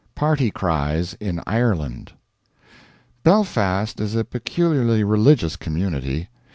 "PARTY CRIES" IN IRELAND Belfast is a peculiarly religious community.